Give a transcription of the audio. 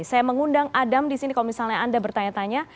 saya mengundang adam di sini kalau misalnya anda bertanya tanya